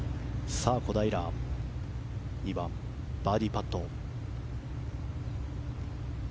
小平、２番バーディーパット。